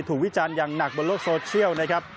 วิจารณ์อย่างหนักบนโลกโซเชียลนะครับ